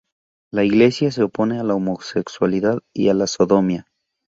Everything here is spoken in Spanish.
La Iglesia se opone a la homosexualidad y a la sodomía.